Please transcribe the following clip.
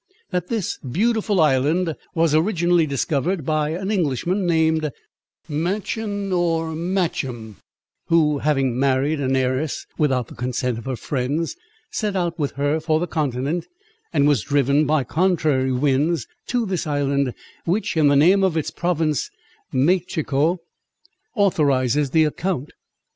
that this beautiful island was originally discovered by an Englishman, named Machin, or Macham, who having married an heiress, without the consent of her friends, set out with her for the continent, and was driven, by contrary winds, to this island, which, in the name of its province, Machico, authorizes the account."